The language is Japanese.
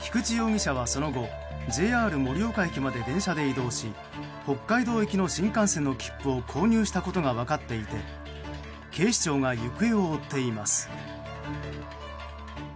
菊池容疑者は、その後ＪＲ盛岡駅まで電車で移動し北海道行きの新幹線の切符を購入したことが分かっていて警視庁が行方を追っています。